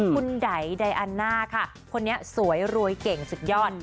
คุณไดอันน่าค่ะคนนี้สวยรวยเก่งสุดยอด